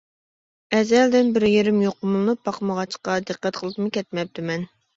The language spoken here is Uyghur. ئەزەلدىن بىر يېرىم يۇقۇملىنىپ باقمىغاچقا، دىققەت قىلىپمۇ كەتمەپتىمەن.